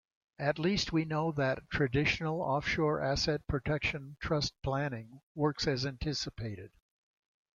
At least we know that traditional offshore asset protection trust planning works as anticipated.